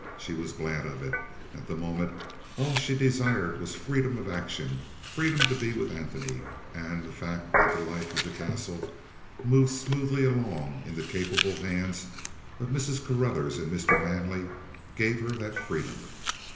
She was glad of it. At the moment all she desired was freedom of action, freedom to be with Antony; and the fact that the life of the Castle moved smoothly along in the capable hands of Mrs. Carruthers and Mr. Manley gave her that freedom.